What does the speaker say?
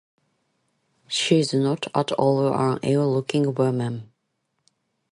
She is not at all an ill-looking woman.